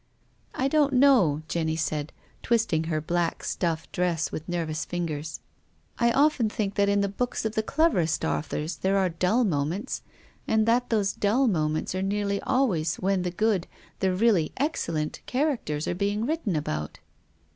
" I don't know," Jenny said, twisting her black stuff dress with nervous fingers. " I often think that in the books of the cleverest authors there are " WILLIAM FOSTER." 133 dull moments, and that those dull moments are nearly always when the good, the really excellent, characters are being written about."